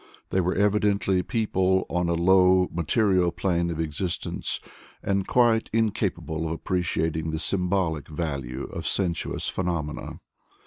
They were evidently people on a low, material plane of existence, and quite incapable of appreciating the symbolic value of sensuous phenomena.